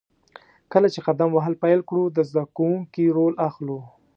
کله چې قدم وهل پیل کړو، د زده کوونکي رول اخلو.